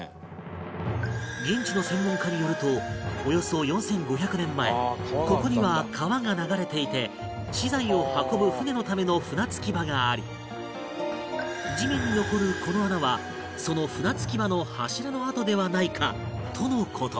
現地の専門家によるとおよそ４５００年前ここには川が流れていて資材を運ぶ船のための船着き場があり地面に残るこの穴はその船着き場の柱の跡ではないかとの事